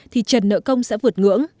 thì trần nợ công sẽ vượt ngưỡng